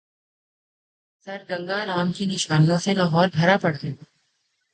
سرگنگا رام کی نشانیوں سے لاہور بھرا پڑا ہے۔